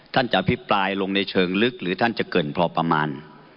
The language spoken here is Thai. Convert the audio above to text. ท่านจะอภิปรายลงในเชิงลึกหรือท่านจะเกินพอประมาณ